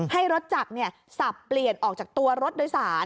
ให้รถจักรสับเปลี่ยนออกจากตัวรถโดยสาร